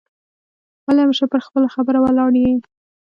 ولي همېشه پر خپله خبره ولاړ یې؟